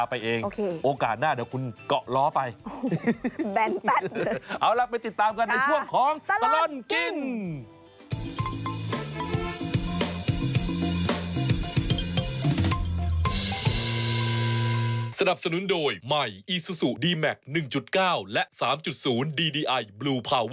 แบนตัดเอาล่ะไปติดตามกันในช่วงของตลอดกิน